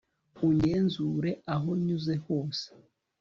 ungenzure aho nyuze hose